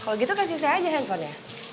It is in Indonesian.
kalau gitu kasih saya aja handphonenya